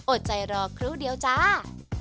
อดใจรอครู่เดียวจ้า